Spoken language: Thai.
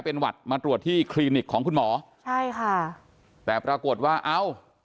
เป็นหวัดมาตรวจที่คลินิกของคุณหมอใช่ค่ะแต่ปรากฏว่าเอ้า